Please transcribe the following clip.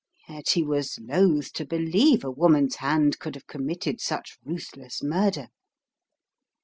Yet he was loath to believe a woman's hand could have committed such ruthless murder.